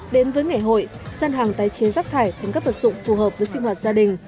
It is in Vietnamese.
đến với ngày hội gian hàng tái chế rác thải thành các vật dụng phù hợp với sinh hoạt gia đình